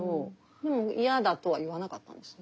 でも嫌だとは言わなかったんですね。